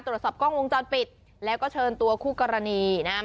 ตรวจสอบกล้องวงจรปิดแล้วก็เชิญตัวคู่กรณีนะครับ